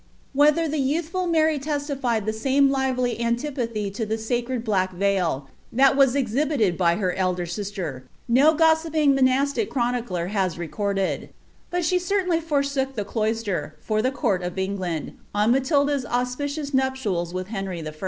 Whether llie youifafid Mary lestiljed the same lively antipathy to the coneecrated black ral, that was exhibited by her elder sister, no gossiping monasLje chrotiidcr has recorded ; but she certainly forfiook the cloister, for the court of England, on Matilda's auspicious nuptials with Henry I.